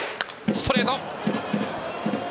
ストレート。